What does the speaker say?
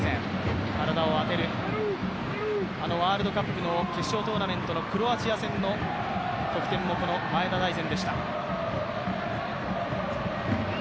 ワールドカップの決勝トーナメントのクロアチア戦の得点もこの前田大然でした。